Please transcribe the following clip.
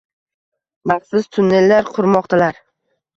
maxsus tunnellar qurmoqdalar.